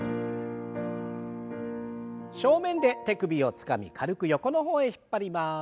正面で手首をつかみ軽く横の方へ引っ張ります。